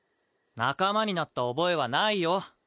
仲間になった覚えはないよ。